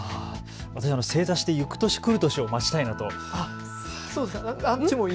私、正座してゆく年くる年を待ちたいなと。